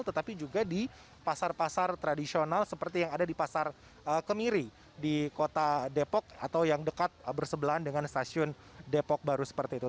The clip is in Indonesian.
tetapi juga di pasar pasar tradisional seperti yang ada di pasar kemiri di kota depok atau yang dekat bersebelahan dengan stasiun depok baru seperti itu